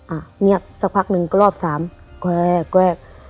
อ่ะเงียบสักพักหนึ่งก็รอบสามแวกแวก